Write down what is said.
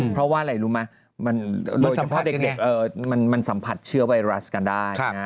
เพราะว่าอะไรรู้ไหมโดยเฉพาะเด็กมันสัมผัสเชื้อไวรัสกันได้